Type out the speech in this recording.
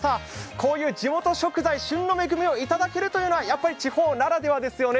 こういう地元食材、旬の恵みをいただけるということはやっぱり地方ならではですよね。